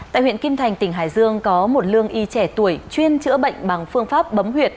tại huyện kim thành tỉnh hải dương có một lương y trẻ tuổi chuyên chữa bệnh bằng phương pháp bấm huyệt